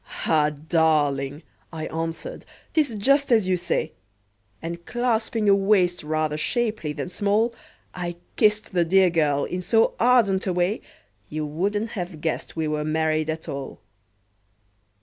"Ah! darling," I answered, "'tis just as you say;" And clasping a waist rather shapely than small, I kissed the dear girl in so ardent a way You wouldn't have guessed we were married at all!